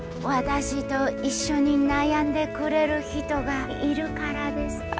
私と一緒に悩んでくれる人がいるからです。